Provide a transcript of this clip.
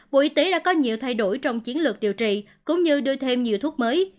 bộ y tế đã có nhiều thay đổi trong chiến lược điều trị cũng như đưa thêm nhiều thuốc mới